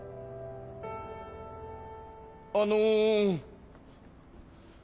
あの。